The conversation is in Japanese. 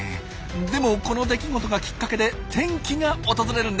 でもこの出来事がきっかけで転機が訪れるんです。